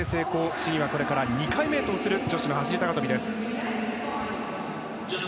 試技はこれから２回目へと移る女子の走り高跳びです。